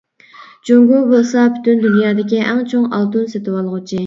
جۇڭگو بولسا پۈتۈن دۇنيادىكى ئەڭ چوڭ ئالتۇن سېتىۋالغۇچى.